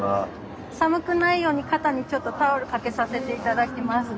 寒くないように肩にちょっとタオルかけさせて頂きますね。